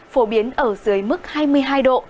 phổ biến ở dưới mức hai mươi hai độ